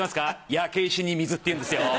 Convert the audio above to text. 「焼け石に水」っていうんですよ！